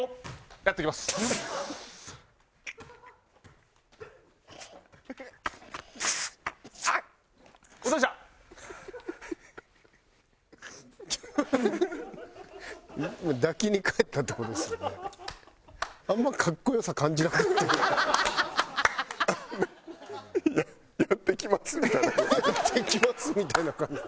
やってきますみたいな感じで。